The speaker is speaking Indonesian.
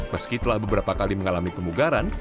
meski telah beberapa kali mengalami pemugaran